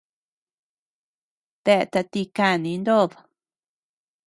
Dea tati kani nod.